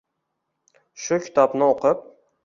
Shu kitobni o‘qib